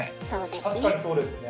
確かにそうですね。